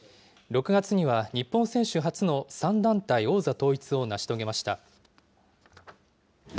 ６月には日本選手初の３団体王座統一を成し遂げました。